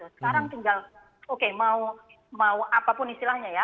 sekarang tinggal oke mau apapun istilahnya ya